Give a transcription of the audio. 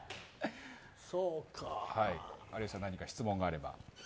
有吉さん、何か質問があれば。